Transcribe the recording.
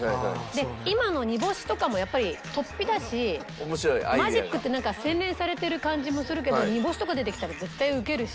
今の煮干しとかもやっぱりとっぴだしマジックってなんか洗練されてる感じもするけど煮干しとか出てきたら絶対ウケるし。